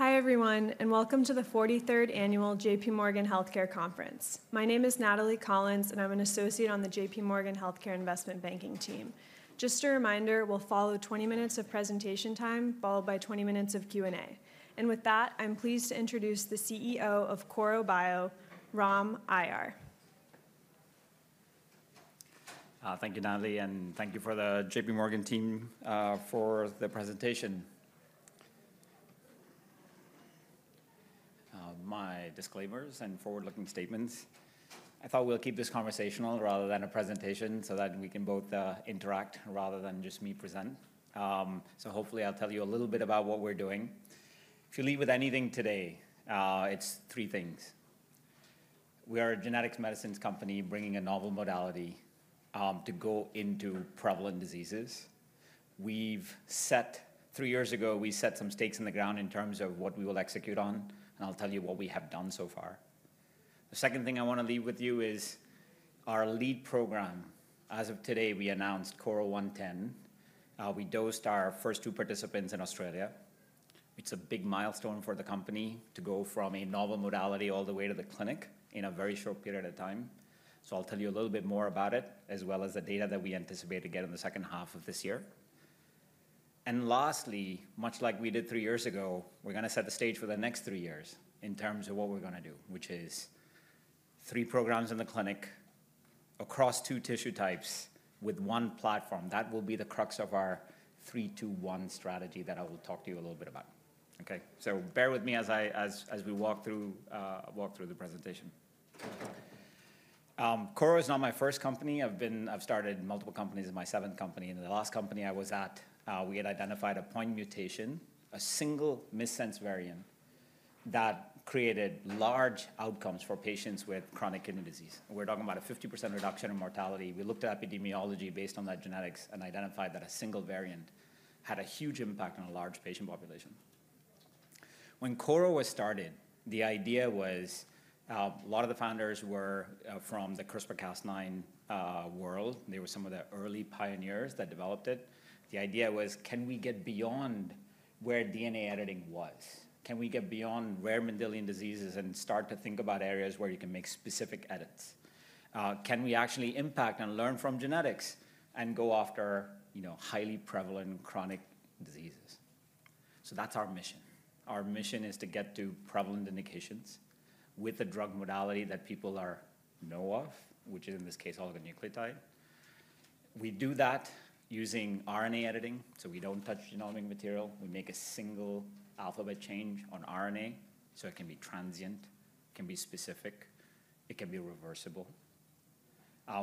Hi everyone, and welcome to the 43rd Annual JPMorgan Healthcare Conference. My name is Natalie Collins, and I'm an associate on the JPMorgan Healthcare Investment Banking team. Just a reminder, we'll follow 20 minutes of presentation time, followed by 20 minutes of Q&A. And with that, I'm pleased to introduce the CEO of Korro Bio, Ram Aiyar. Thank you, Natalie, and thank you for the JPMorgan team for the presentation. My disclaimers and forward-looking statements. I thought we'll keep this conversational rather than a presentation so that we can both interact rather than just me present. So hopefully I'll tell you a little bit about what we're doing. If you lead with anything today, it's three things. We are a genetic medicines company bringing a novel modality to go into prevalent diseases. Three years ago, we set some stakes in the ground in terms of what we will execute on, and I'll tell you what we have done so far. The second thing I want to leave with you is our lead program. As of today, we announced KRRO-110. We dosed our first two participants in Australia. It's a big milestone for the company to go from a novel modality all the way to the clinic in a very short period of time. So I'll tell you a little bit more about it, as well as the data that we anticipate to get in the second half of this year. And lastly, much like we did three years ago, we're going to set the stage for the next three years in terms of what we're going to do, which is three programs in the clinic across two tissue types with one platform. That will be the crux of our 3-2-1 strategy that I will talk to you a little bit about. Okay, so bear with me as we walk through the presentation. Korro is not my first company. I've started multiple companies. This is my seventh company. And the last company I was at, we had identified a point mutation, a single missense variant that created large outcomes for patients with chronic kidney disease. We're talking about a 50% reduction in mortality. We looked at epidemiology based on that genetics and identified that a single variant had a huge impact on a large patient population. When Korro was started, the idea was a lot of the founders were from the CRISPR-Cas9 world. They were some of the early pioneers that developed it. The idea was, can we get beyond where DNA editing was? Can we get beyond rare Mendelian diseases and start to think about areas where you can make specific edits? Can we actually impact and learn from genetics and go after highly prevalent chronic diseases? So that's our mission. Our mission is to get to prevalent indications with a drug modality that people know of, which is in this case oligonucleotide. We do that using RNA editing, so we don't touch genomic material. We make a single alphabet change on RNA so it can be transient, it can be specific, it can be reversible.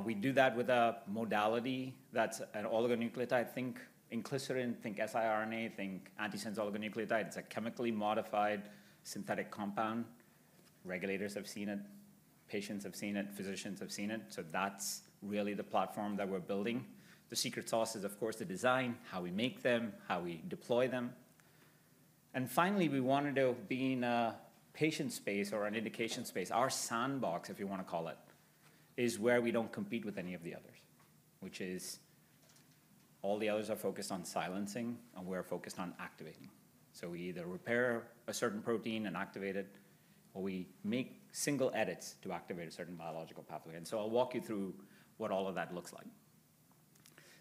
We do that with a modality that's an oligonucleotide. Think inclisiran, think siRNA, think antisense oligonucleotide. It's a chemically modified synthetic compound. Regulators have seen it, patients have seen it, physicians have seen it. So that's really the platform that we're building. The secret sauce is, of course, the design, how we make them, how we deploy them. And finally, we wanted to, being a patient space or an indication space, our sandbox, if you want to call it, is where we don't compete with any of the others, which is all the others are focused on silencing and we're focused on activating. So we either repair a certain protein and activate it, or we make single edits to activate a certain biological pathway. And so I'll walk you through what all of that looks like.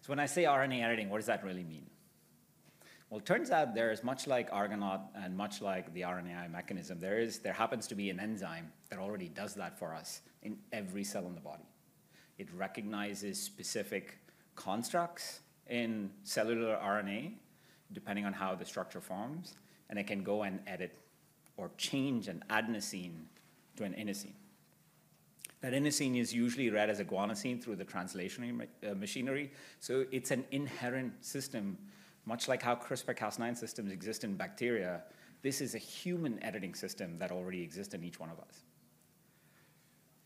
So when I say RNA editing, what does that really mean? Well, it turns out there is, much like Argonaute and much like the RNAi mechanism, there happens to be an enzyme that already does that for us in every cell in the body. It recognizes specific constructs in cellular RNA depending on how the structure forms, and it can go and edit or change an adenosine to an inosine. That inosine is usually read as a guanosine through the translation machinery. So it's an inherent system, much like how CRISPR-Cas9 systems exist in bacteria. This is a human editing system that already exists in each one of us.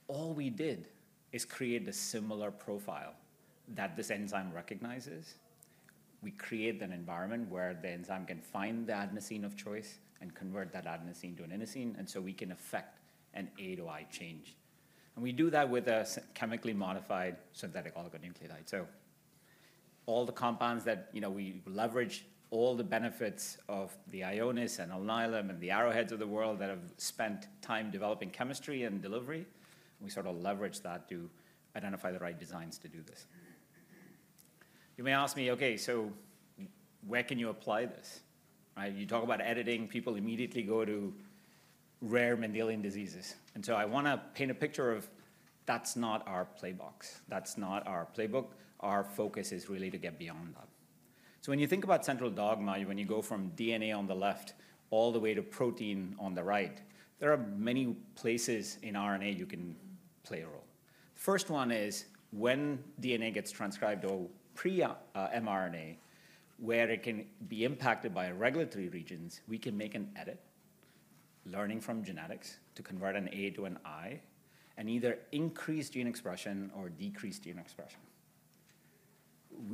All we did is create a similar profile that this enzyme recognizes. We create an environment where the enzyme can find the adenosine of choice and convert that adenosine to an inosine, and so we can affect an A-to-I change. And we do that with a chemically modified synthetic oligonucleotide. So all the compounds that we leverage, all the benefits of the Ionis and Alnylam and the Arrowhead of the world that have spent time developing chemistry and delivery, we sort of leverage that to identify the right designs to do this. You may ask me, okay, so where can you apply this? You talk about editing. People immediately go to rare Mendelian diseases, and so I want to paint a picture of that's not our playbook. That's not our playbook. Our focus is really to get beyond that, so when you think about central dogma, when you go from DNA on the left all the way to protein on the right, there are many places in RNA you can play a role. The first one is when DNA gets transcribed or pre-mRNA, where it can be impacted by regulatory regions. We can make an edit, learning from genetics to convert an A to an I, and either increase gene expression or decrease gene expression.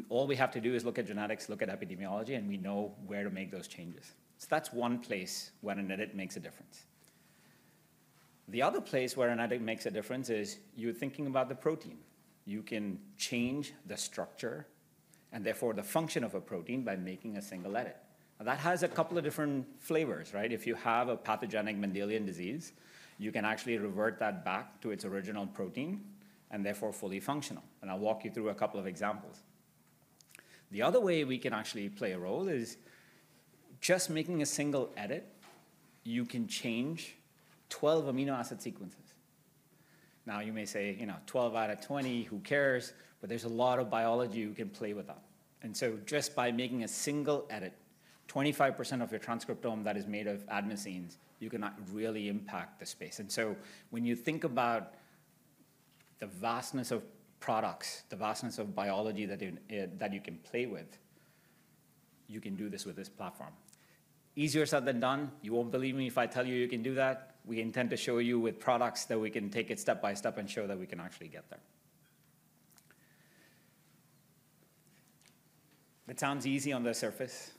All we have to do is look at genetics, look at epidemiology, and we know where to make those changes, so that's one place when an edit makes a difference. The other place where an edit makes a difference is you're thinking about the protein. You can change the structure and therefore the function of a protein by making a single edit. Now, that has a couple of different flavors. If you have a pathogenic Mendelian disease, you can actually revert that back to its original protein and therefore fully functional. And I'll walk you through a couple of examples. The other way we can actually play a role is just making a single edit. You can change 12 amino acid sequences. Now, you may say, 12 out of 20, who cares? But there's a lot of biology you can play with that. And so just by making a single edit, 25% of your transcriptome that is made of adenosines, you can really impact the space. And so when you think about the vastness of products, the vastness of biology that you can play with, you can do this with this platform. Easier said than done. You won't believe me if I tell you you can do that. We intend to show you with products that we can take it step by step and show that we can actually get there. It sounds easy on the surface.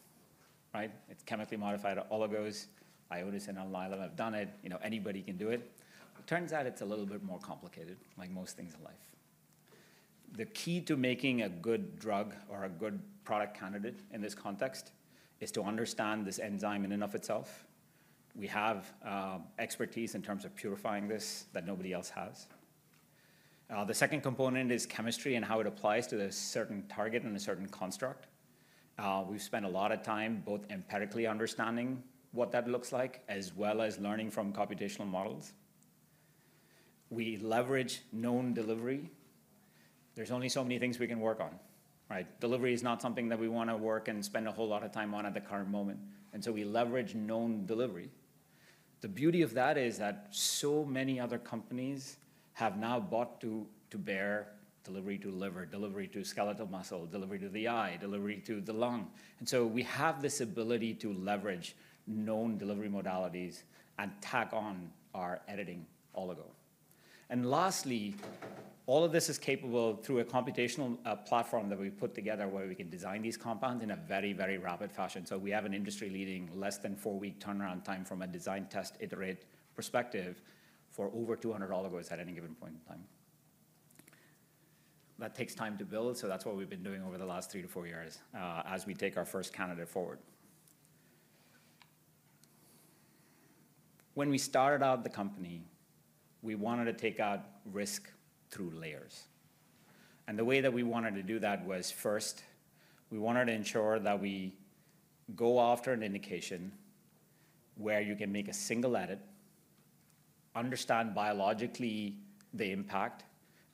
It's chemically modified oligos. Ionis and Alnylam have done it. Anybody can do it. It turns out it's a little bit more complicated, like most things in life. The key to making a good drug or a good product candidate in this context is to understand this enzyme in and of itself. We have expertise in terms of purifying this that nobody else has. The second component is chemistry and how it applies to a certain target and a certain construct. We've spent a lot of time both empirically understanding what that looks like, as well as learning from computational models. We leverage known delivery. There's only so many things we can work on. Delivery is not something that we want to work and spend a whole lot of time on at the current moment. And so we leverage known delivery. The beauty of that is that so many other companies have now brought to bear delivery to liver, delivery to skeletal muscle, delivery to the eye, delivery to the lung. And so we have this ability to leverage known delivery modalities and tack on our editing oligo. And lastly, all of this is capable through a computational platform that we put together where we can design these compounds in a very, very rapid fashion. So we have an industry-leading less than four-week turnaround time from a design test iterate perspective for over 200 oligos at any given point in time. That takes time to build, so that's what we've been doing over the last 3-4 years as we take our first candidate forward. When we started out the company, we wanted to take out risk through layers. And the way that we wanted to do that was, first, we wanted to ensure that we go after an indication where you can make a single edit, understand biologically the impact,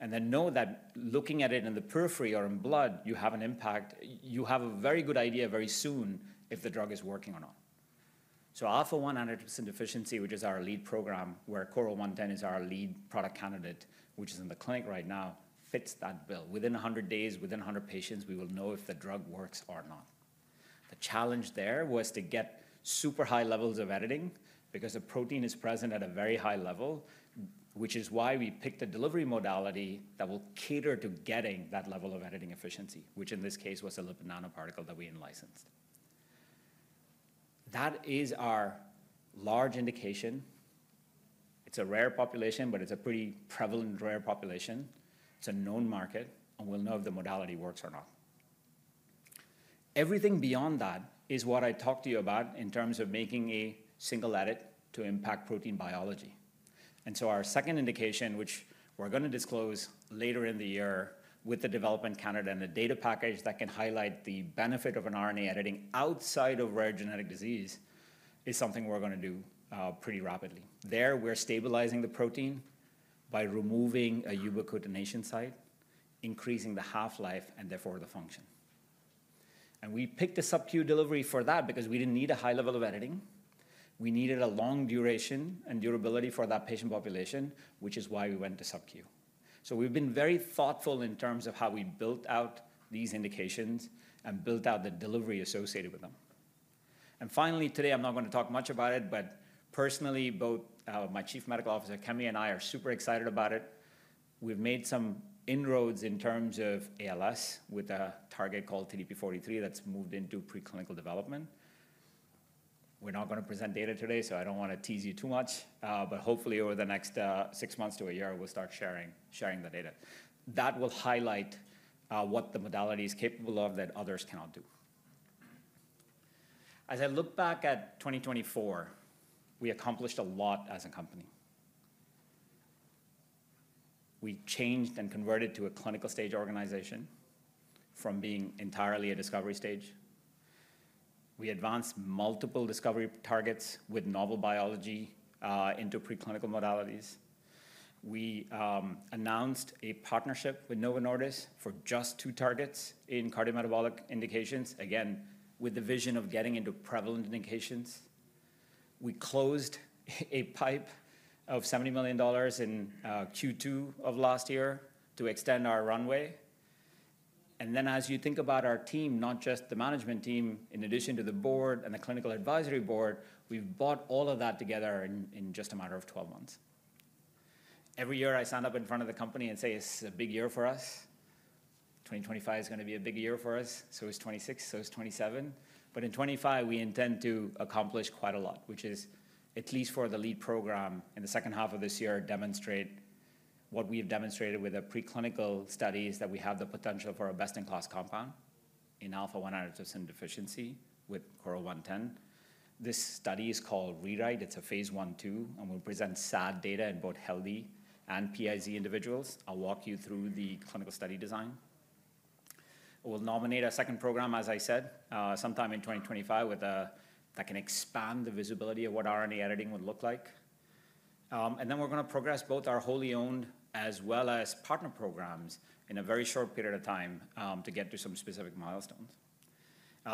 and then know that looking at it in the periphery or in blood, you have an impact. You have a very good idea very soon if the drug is working or not. So alpha-1 antitrypsin deficiency, which is our lead program, where KRRO-110 is our lead product candidate, which is in the clinic right now, fits that bill. Within 100 days, within 100 patients, we will know if the drug works or not. The challenge there was to get super high levels of editing because the protein is present at a very high level, which is why we picked a delivery modality that will cater to getting that level of editing efficiency, which in this case was a lipid nanoparticle that we licensed. That is our large indication. It's a rare population, but it's a pretty prevalent rare population. It's a known market, and we'll know if the modality works or not. Everything beyond that is what I talked to you about in terms of making a single edit to impact protein biology. And so our second indication, which we're going to disclose later in the year with the development candidate and a data package that can highlight the benefit of an RNA editing outside of rare genetic disease, is something we're going to do pretty rapidly. There, we're stabilizing the protein by removing a ubiquitination site, increasing the half-life and therefore the function. And we picked a subQ delivery for that because we didn't need a high level of editing. We needed a long duration and durability for that patient population, which is why we went to subQ. So we've been very thoughtful in terms of how we built out these indications and built out the delivery associated with them. Finally, today, I'm not going to talk much about it, but personally, both my Chief Medical Officer, Kemi, and I are super excited about it. We've made some inroads in terms of ALS with a target called TDP-43 that's moved into preclinical development. We're not going to present data today, so I don't want to tease you too much, but hopefully over the next six months to a year, we'll start sharing the data. That will highlight what the modality is capable of that others cannot do. As I look back at 2024, we accomplished a lot as a company. We changed and converted to a clinical stage organization from being entirely a discovery stage. We advanced multiple discovery targets with novel biology into preclinical modalities. We announced a partnership with Novo Nordisk for just two targets in cardiometabolic indications, again, with the vision of getting into prevalent indications. We closed a PIPE of $70 million in Q2 of last year to extend our runway. Then as you think about our team, not just the management team, in addition to the board and the clinical advisory board, we've brought all of that together in just a matter of 12 months. Every year, I stand up in front of the company and say, it's a big year for us. 2025 is going to be a big year for us. So it's 2026, so it's 2027. But in 2025, we intend to accomplish quite a lot, which is, at least for the lead program in the second half of this year, demonstrate what we have demonstrated with our preclinical studies that we have the potential for a best-in-class compound in alpha-1 antitrypsin deficiency at 100% efficiency with KRRO-110. This study is called REWRITE. It's a phase one two, and we'll present SAD data in both healthy and PiZZ individuals. I'll walk you through the clinical study design. We'll nominate a second program, as I said, sometime in 2025 that can expand the visibility of what RNA editing would look like. And then we're going to progress both our wholly owned as well as partner programs in a very short period of time to get to some specific milestones.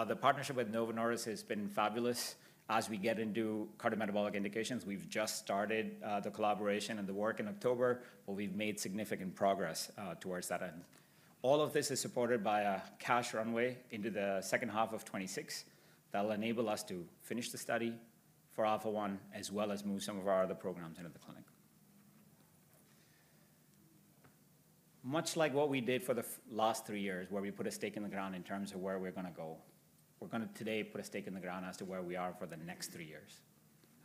The partnership with Novo Nordisk has been fabulous. As we get into cardiometabolic indications, we've just started the collaboration and the work in October, but we've made significant progress towards that end. All of this is supported by a cash runway into the second half of 26 that will enable us to finish the study for alpha-1, as well as move some of our other programs into the clinic. Much like what we did for the last three years, where we put a stake in the ground in terms of where we're going to go, we're going to today put a stake in the ground as to where we are for the next three years.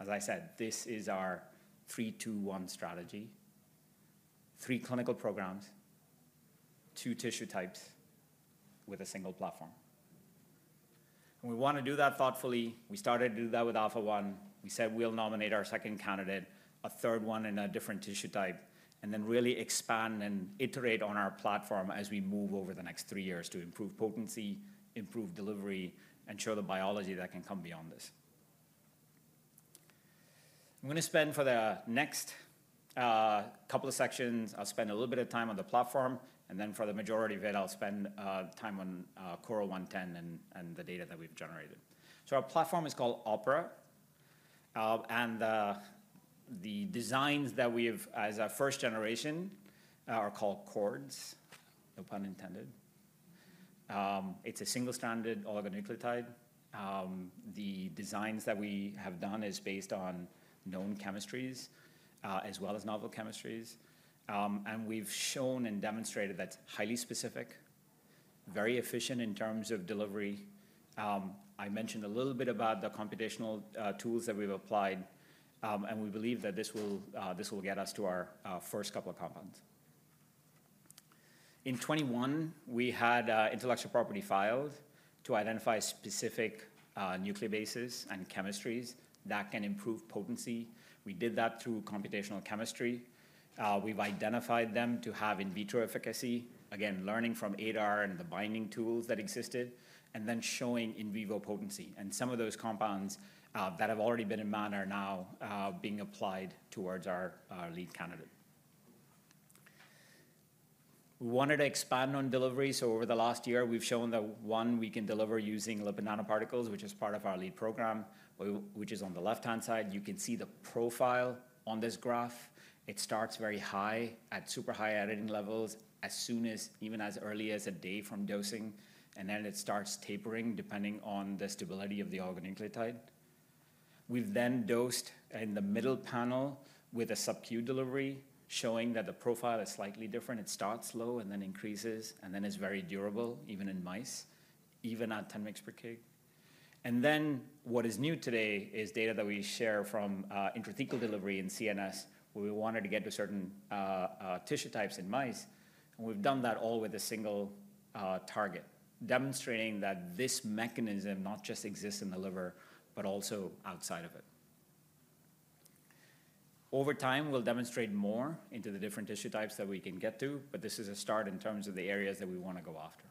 As I said, this is our three, two, one strategy, three clinical programs, two tissue types with a single platform. We want to do that thoughtfully. We started to do that with alpha-1. We said we'll nominate our second candidate, a third one in a different tissue type, and then really expand and iterate on our platform as we move over the next three years to improve potency, improve delivery, and show the biology that can come beyond this. I'm going to spend, for the next couple of sections, a little bit of time on the platform, and then for the majority of it, I'll spend time on KRRO-110 and the data that we've generated. Our platform is called OPERA, and the designs that we have as our first generation are called CHORDs, no pun intended. It's a single-stranded oligonucleotide. The designs that we have done are based on known chemistries as well as novel chemistries. We've shown and demonstrated that it's highly specific, very efficient in terms of delivery. I mentioned a little bit about the computational tools that we've applied, and we believe that this will get us to our first couple of compounds. In 2021, we had intellectual property filed to identify specific nucleobases and chemistries that can improve potency. We did that through computational chemistry. We've identified them to have in vitro efficacy, again, learning from ADAR and the binding tools that existed, and then showing in vivo potency, and some of those compounds that have already been in manner now are being applied towards our lead candidate. We wanted to expand on delivery so over the last year, we've shown that, one, we can deliver using lipid nanoparticles, which is part of our lead program, which is on the left-hand side. You can see the profile on this graph. It starts very high at super high editing levels, as soon as, even as early as a day from dosing, and then it starts tapering depending on the stability of the oligonucleotide. We've then dosed in the middle panel with a subQ delivery, showing that the profile is slightly different. It starts low and then increases, and then it's very durable, even in mice, even at 10 mg per kg. And then what is new today is data that we share from intrathecal delivery in CNS, where we wanted to get to certain tissue types in mice. And we've done that all with a single target, demonstrating that this mechanism not just exists in the liver, but also outside of it. Over time, we'll demonstrate more into the different tissue types that we can get to, but this is a start in terms of the areas that we want to go after.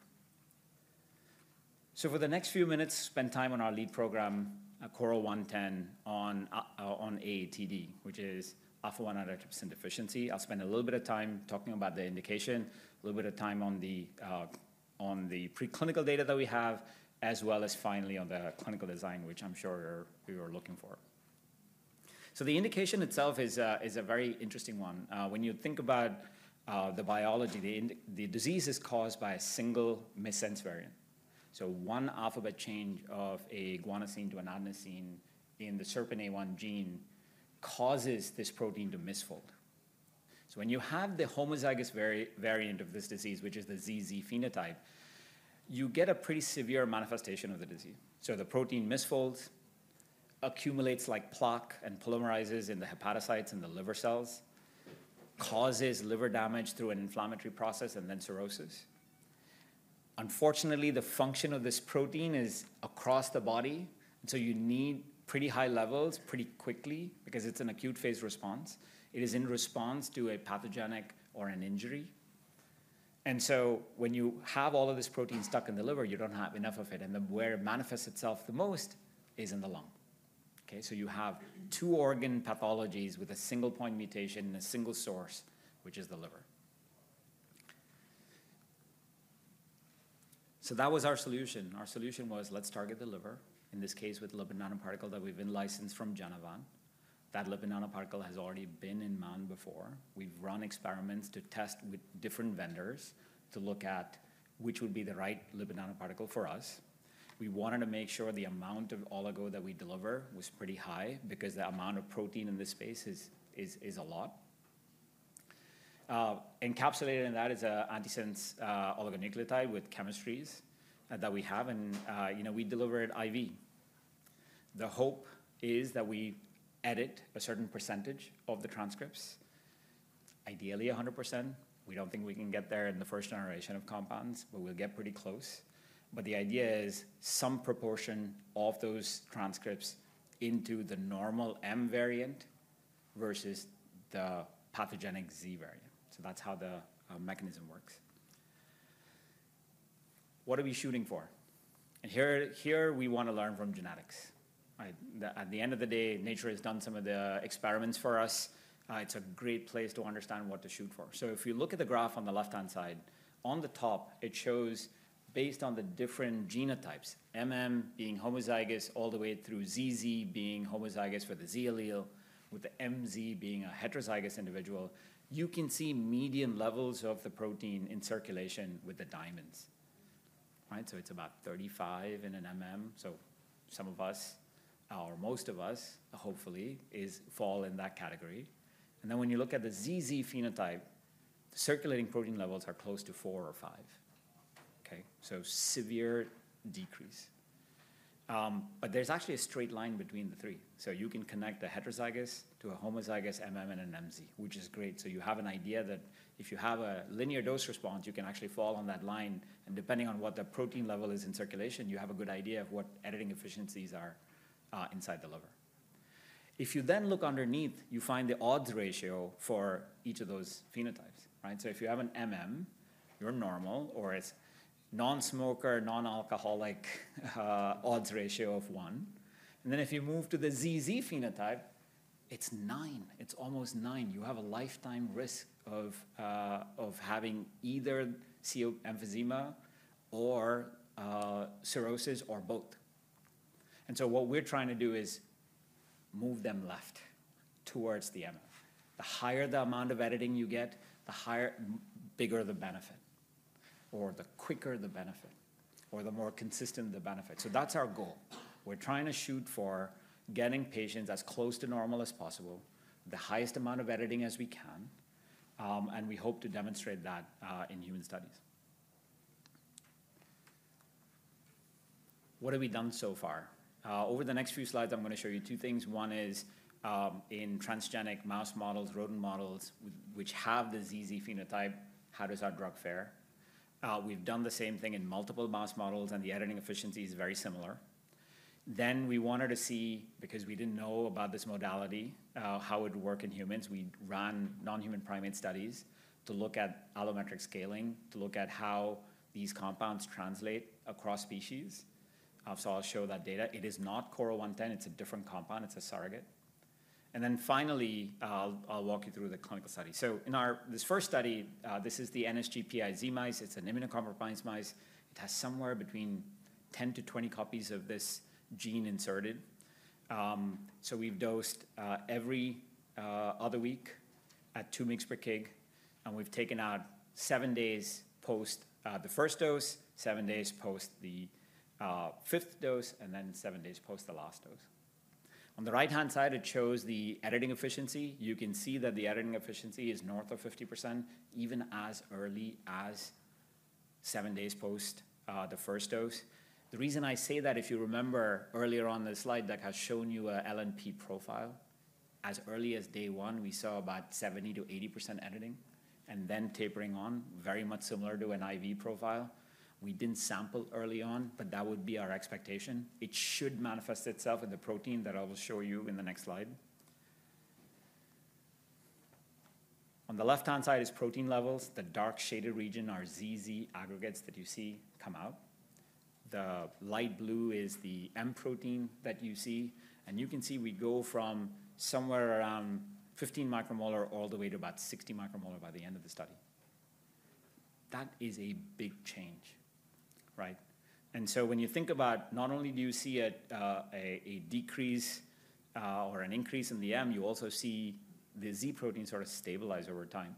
So for the next few minutes, spend time on our lead program, KRRO-110, on AATD, which is alpha-1 antitrypsin deficiency. I'll spend a little bit of time talking about the indication, a little bit of time on the preclinical data that we have, as well as finally on the clinical design, which I'm sure you're looking for. So the indication itself is a very interesting one. When you think about the biology, the disease is caused by a single missense variant. So one alphabet change of a guanosine to an adenosine in the SERPINA1 gene causes this protein to misfold. So when you have the homozygous variant of this disease, which is the ZZ phenotype, you get a pretty severe manifestation of the disease. So the protein misfolds, accumulates like plaque, and polymerizes in the hepatocytes and the liver cells, causes liver damage through an inflammatory process, and then cirrhosis. Unfortunately, the function of this protein is across the body, and so you need pretty high levels pretty quickly because it's an acute phase response. It is in response to a pathogen or an injury, and so when you have all of this protein stuck in the liver, you don't have enough of it, and where it manifests itself the most is in the lung, so you have two organ pathologies with a single point mutation in a single source, which is the liver, so that was our solution. Our solution was, let's target the liver, in this case with lipid nanoparticle that we've licensed from Genevant. That lipid nanoparticle has already been in man before. We've run experiments to test with different vendors to look at which would be the right lipid nanoparticle for us. We wanted to make sure the amount of oligo that we deliver was pretty high because the amount of protein in this space is a lot. Encapsulated in that is an antisense oligonucleotide with chemistries that we have, and we deliver it IV. The hope is that we edit a certain percentage of the transcripts, ideally 100%. We don't think we can get there in the first generation of compounds, but we'll get pretty close. But the idea is some proportion of those transcripts into the normal M variant versus the pathogenic Z variant. So that's how the mechanism works. What are we shooting for? And here we want to learn from genetics. At the end of the day, nature has done some of the experiments for us. It's a great place to understand what to shoot for. If you look at the graph on the left-hand side, on the top, it shows, based on the different genotypes, being homozygous all the way through ZZ being homozygous with a Z allele, with the MZ being a heterozygous individual, you can see median levels of the protein in circulation with the diamonds. It's about 35% in an MM. Some of us, or most of us, hopefully, fall in that category. When you look at the ZZ phenotype, the circulating protein levels are close to four or five. Severe decrease. There's actually a straight line between the three. You can connect the heterozygous to a homozygous and an MZ, which is great. You have an idea that if you have a linear dose response, you can actually fall on that line. Depending on what the protein level is in circulation, you have a good idea of what editing efficiencies are inside the liver. If you then look underneath, you find the odds ratio for each of those phenotypes. So if you have a MM, you're normal, or if it's non-smoker, non-alcoholic odds ratio of one. And then if you move to the ZZ phenotype, it's nine. It's almost nine. You have a lifetime risk of having either COPD emphysema or cirrhosis or both. And so what we're trying to do is move them left towards the. The higher the amount of editing you get, the bigger the benefit, or the quicker the benefit, or the more consistent the benefit. So that's our goal. We're trying to shoot for getting patients as close to normal as possible, the highest amount of editing as we can. And we hope to demonstrate that in human studies. What have we done so far? Over the next few slides, I'm going to show you two things. One is in transgenic mouse models, rodent models, which have the ZZ phenotype. How does our drug fare? We've done the same thing in multiple mouse models, and the editing efficiency is very similar. Then we wanted to see, because we didn't know about this modality, how it would work in humans. We ran non-human primate studies to look at allometric scaling, to look at how these compounds translate across species. So I'll show that data. It is not KRRO-110. It's a different compound. It's a surrogate. And then finally, I'll walk you through the clinical study. So in this first study, this is the NSG-PiZ mice. It's an immunocompromised mice. It has somewhere between 10-20 copies of this gene inserted. So we've dosed every other week at 2 mg/kg, and we've taken out seven days post the first dose, seven days post the fifth dose, and then seven days post the last dose. On the right-hand side, it shows the editing efficiency. You can see that the editing efficiency is north of 50%, even as early as seven days post the first dose. The reason I say that, if you remember earlier on the slide, that has shown you an LNP profile, as early as day one, we saw about 70-80% editing, and then tapering on, very much similar to an IV profile. We didn't sample early on, but that would be our expectation. It should manifest itself in the protein that I will show you in the next slide. On the left-hand side is protein levels. The dark shaded region are ZZ aggregates that you see come out. The light blue is the M protein that you see, and you can see we go from somewhere around 15 micromolar all the way to about 60 micromolar by the end of the study. That is a big change, and so when you think about not only do you see a decrease or an increase in the M, you also see the Z protein sort of stabilize over time.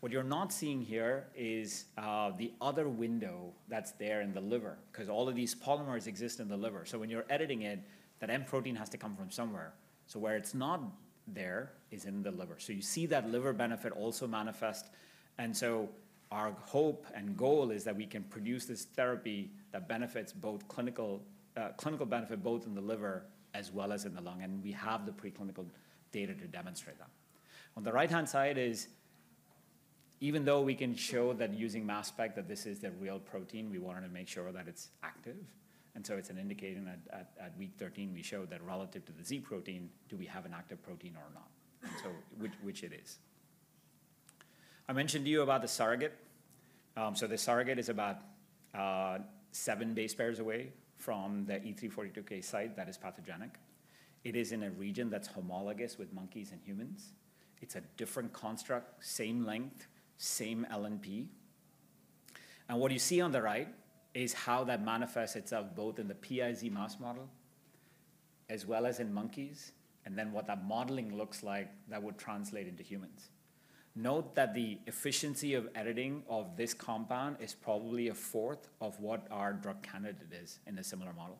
What you're not seeing here is the other window that's there in the liver, because all of these polymers exist in the liver. So when you're editing it, that M protein has to come from somewhere. So where it's not there is in the liver. So you see that liver benefit also manifest. Our hope and goal is that we can produce this therapy that benefits both clinical benefit both in the liver as well as in the lung. We have the preclinical data to demonstrate that. On the right-hand side, even though we can show that using mass spec that this is the real protein, we wanted to make sure that it's active. It's an indicator that at week 13, we showed that relative to the Z protein, do we have an active protein or not, which it is. I mentioned to you about the surrogate. The surrogate is about seven base pairs away from the E342K site that is pathogenic. It is in a region that's homologous with monkeys and humans. It's a different construct, same length, same LNP. What you see on the right is how that manifests itself both in the PiZ mouse model as well as in monkeys, and then what that modeling looks like that would translate into humans. Note that the efficiency of editing of this compound is probably a fourth of what our drug candidate is in a similar model.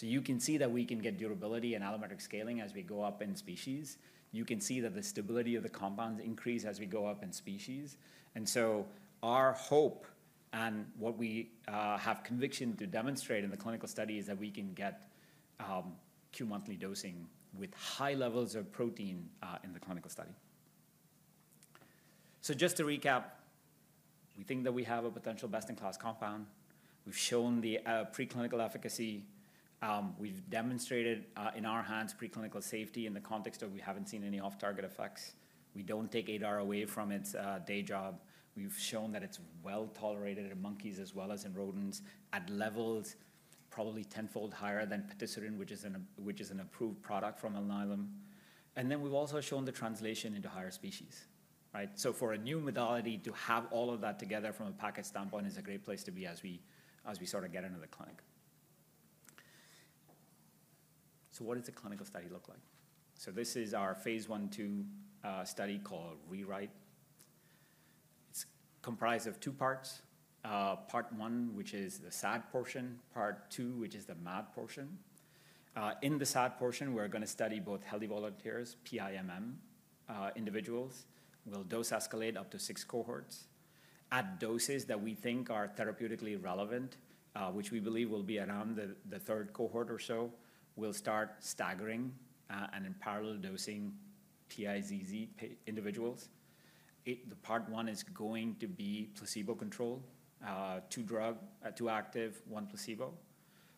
You can see that we can get durability and allometric scaling as we go up in species. You can see that the stability of the compounds increase as we go up in species. Our hope and what we have conviction to demonstrate in the clinical study is that we can get Q monthly dosing with high levels of protein in the clinical study. Just to recap, we think that we have a potential best-in-class compound. We've shown the preclinical efficacy. We've demonstrated in our hands preclinical safety in the context of we haven't seen any off-target effects. We don't take ADAR away from its day job. We've shown that it's well tolerated in monkeys as well as in rodents at levels probably tenfold higher than patisiran, which is an approved product from Alnylam, and then we've also shown the translation into higher species, so for a new modality to have all of that together from a package standpoint is a great place to be as we sort of get into the clinic. What does the clinical study look like? This is our phase I/II study called REWRITE. It's comprised of two parts. Part one, which is the SAD portion, part two, which is the MAD portion. In the SAD portion, we're going to study both healthy volunteers, PiMM individuals. We'll dose escalate up to six cohorts. At doses that we think are therapeutically relevant, which we believe will be around the third cohort or so, we'll start staggering and in parallel dosing PiZZ individuals. The part one is going to be placebo control, two drug, two active, one placebo.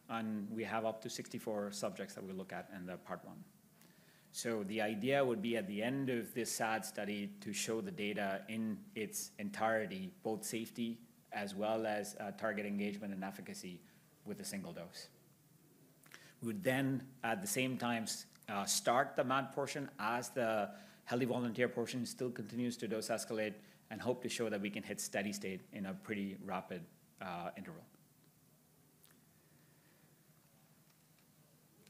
And we have up to 64 subjects that we look at in the part one. So the idea would be at the end of this SAD study to show the data in its entirety, both safety as well as target engagement and efficacy with a single dose. We would then at the same time start the MAD portion as the healthy volunteer portion still continues to dose escalate and hope to show that we can hit steady state in a pretty rapid interval.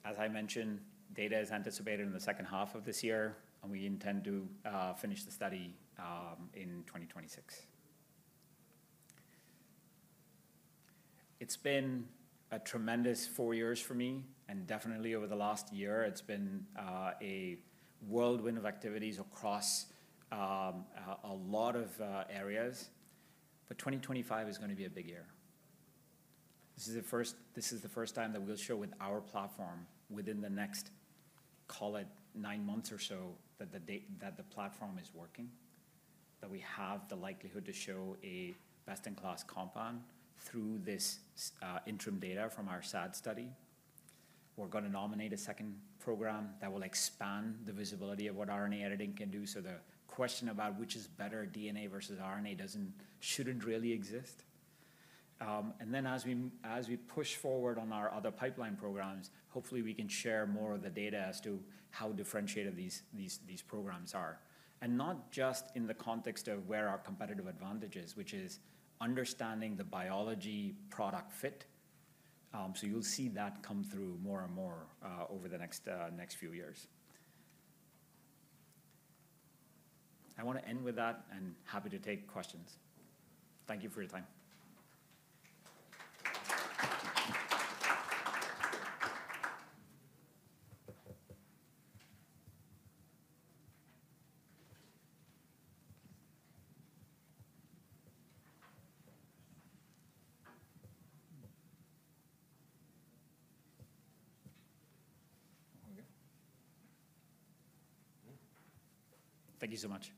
As I mentioned, data is anticipated in the second half of this year, and we intend to finish the study in 2026. It's been a tremendous four years for me, and definitely over the last year, it's been a whirlwind of activities across a lot of areas. But 2025 is going to be a big year. This is the first time that we'll show with our platform within the next, call it nine months or so, that the platform is working, that we have the likelihood to show a best-in-class compound through this interim data from our SAD study. We're going to nominate a second program that will expand the visibility of what RNA editing can do. So the question about which is better, DNA versus RNA, shouldn't really exist. And then as we push forward on our other pipeline programs, hopefully we can share more of the data as to how differentiated these programs are. And not just in the context of where our competitive advantage is, which is understanding the biology product fit. So you'll see that come through more and more over the next few years. I want to end with that and happy to take questions. Thank you for your time. Thank you so much.